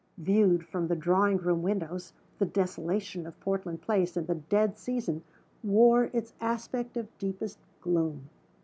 Viewed from the drawing room windows, the desolation of Portland Place in the dead season wore its aspect of deepest gloom.